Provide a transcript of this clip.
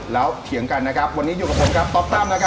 แล้วเถียงกันนะครับวันนี้อยู่กับผมครับป๊อปตั้มนะครับ